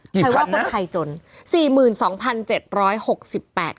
กี่พันนะใครว่าคนไทยจนสี่หมื่นสองพันเจ็ดร้อยหกสิบแปด